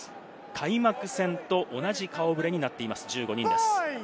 開幕戦と同じ顔触れになっています、１５人です。